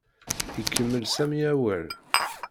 Ikemmel Sami awal.